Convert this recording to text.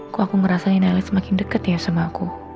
kok aku ngerasa nih naila semakin deket ya sama aku